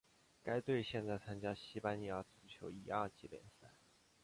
该队现在参加西班牙足球乙二级联赛。